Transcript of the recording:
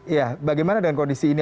ya bagaimana dengan kondisi ini